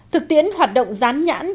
thực tiến hoạt động dán nhãn